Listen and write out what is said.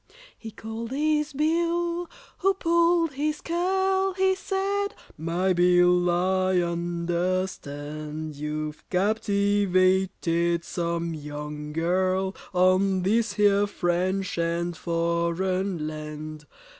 He called his BILL, who pulled his curl, He said, "My BILL, I understand You've captivated some young gurl On this here French and foreign land.